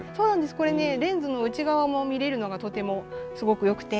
これねレンズの内側も見られるのがとてもすごく良くて。